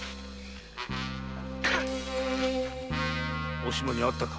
お島に会ったか？